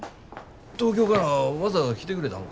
東京からわざわざ来てくれたんか？